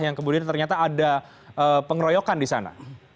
yang kemudian ternyata ada pengeroyokan di sana